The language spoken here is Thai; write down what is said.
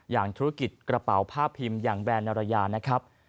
อย่างธุรกิจกระเป๋าผ้าพิมพ์อย่างแบรนนารยานะครับ